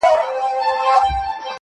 لونگيه دا خبره دې سهې ده~